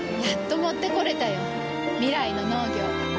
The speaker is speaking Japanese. やっと持ってこれたよ。未来の農業。